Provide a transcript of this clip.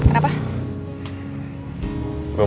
ngapain lagi sih